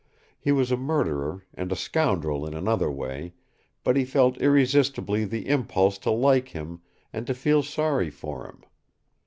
He was a murderer, and a scoundrel in another way, but he felt irresistibly the impulse to like him and to feel sorry for him.